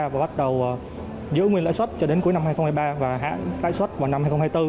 và bắt đầu giữ nguyên lãi suất cho đến cuối năm hai nghìn hai mươi ba và hãng lãi suất vào năm hai nghìn hai mươi bốn